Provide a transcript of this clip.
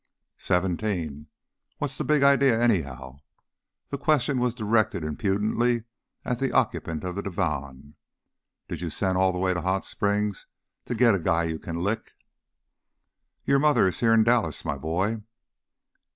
"Seventeen. What's the big idea, anyhow?" The question was directed impudently at the occupant of the divan. "Did you send all the way to Hot Springs to get a guy you can lick?" "Your mother is here in Dallas, my boy."